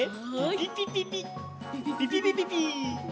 ピピピピッピピピピッ。